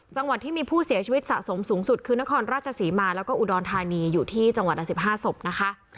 จังหวัดที่มีผู้เสียชีวิตสะสมสูงสุดคือนครราชศรีมาแล้วก็อุดรธานีอยู่ที่จังหวัดละ๑๕ศพนะคะ